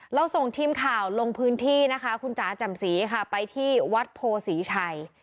เราส่งทีมข่าวลงพื้นที่นะคะคุณจ๋าแจ่มสีค่ะไปที่วัดโพศรีชัย